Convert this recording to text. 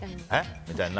みたいな。